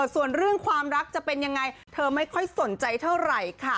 ส่วนเรื่องความรักจะเป็นยังไงเธอไม่ค่อยสนใจเท่าไหร่ค่ะ